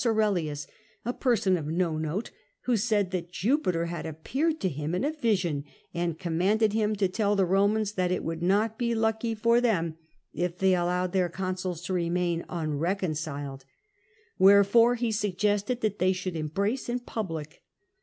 Aurelius, a person of no note, who said that Jupiter had appeared to him in a vision, and commanded him to tell the Romans that it would not be lucky for them if they allowed their consuls to remain unreconciled. Wherefore he suggested that they should embrace in public.